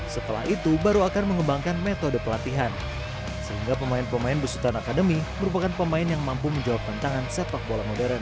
setelah itu baru akan mengembangkan metode pelatihan sehingga pemain pemain besutan akademi merupakan pemain yang mampu menjawab tantangan sepak bola modern